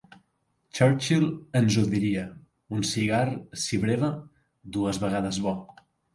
Churchill ens ho diria: “un cigar, si breva, dues vegades bo”.